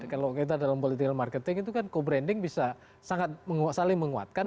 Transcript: kalau kita dalam political marketing itu kan co branding bisa sangat saling menguatkan